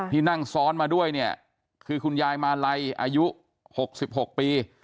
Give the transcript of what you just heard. ที่นั่งซ้อนมาด้วยเนี้ยคือคุณยายมาลัยอายุหกสิบหกปี